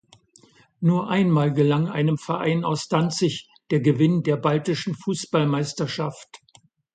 Nur einmal gelang einem Verein aus Danzig der Gewinn der Baltischen Fußballmeisterschaft.